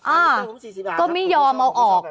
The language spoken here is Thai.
อ่าก็ไม่ยอมเอาออก